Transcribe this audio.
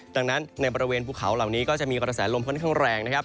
ดังนั้นในบริเวณภูเขาเหล่านี้ก็จะมีกระแสลมค่อนข้างแรงนะครับ